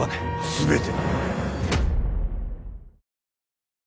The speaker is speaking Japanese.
全て。